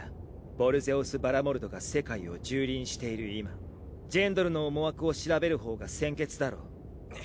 ヴォルゼオス・バラモルドが世界を蹂躙している今ジェンドルの思惑を調べるほうが先決だろう。